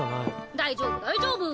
大丈夫大丈夫。